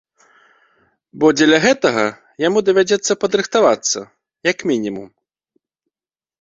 Бо дзеля гэтага яму давядзецца падрыхтавацца, як мінімум.